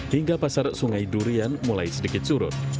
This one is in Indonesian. hingga pasar sungai durian mulai sedikit surut